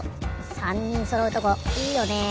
３にんそろうとこいいよね。